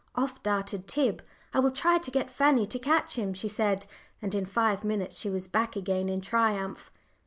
Off darted Tib. "I will try to get Fanny to catch him," she said; and in five minutes she was back again in triumph.